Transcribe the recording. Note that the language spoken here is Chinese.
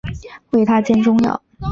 为她煎中药